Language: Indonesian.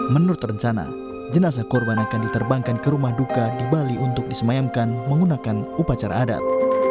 menurut rencana jenazah korban akan diterbangkan ke rumah duka di bali untuk disemayamkan menggunakan upacara adat